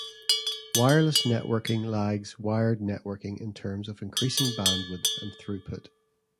Wireless networking lags wired networking in terms of increasing bandwidth and throughput.